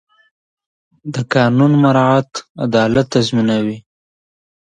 د قانون مراعت عدالت تضمینوي